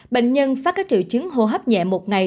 bệnh nhân phát các triệu chứng hô hấp nhẹ một ngày